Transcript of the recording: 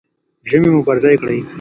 ژمني مو پر ځای کړئ.